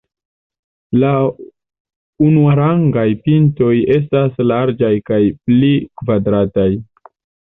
La unuarangaj pintoj estas larĝaj kaj pli kvadrataj.